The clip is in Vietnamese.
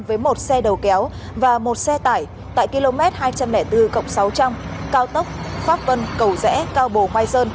với một xe đầu kéo và một xe tải tại km hai trăm linh bốn sáu trăm linh cao tốc pháp vân cầu rẽ cao bồ mai sơn